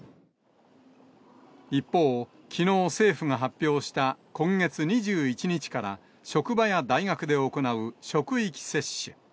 一方、きのう政府が発表した、今月２１日から、職場や大学で行う職域接種。